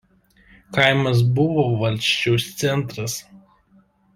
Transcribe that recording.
Kaimas buvo valsčiaus centras.